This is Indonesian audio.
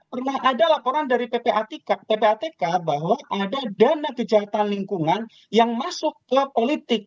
pernah ada laporan dari ppatk bahwa ada dana kejahatan lingkungan yang masuk ke politik